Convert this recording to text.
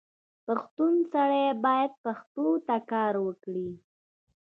پښتون سړی باید پښتو ته کار وکړي.